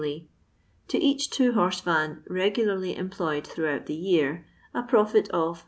— To each two horse van regularly employed throngbout the year, a profit of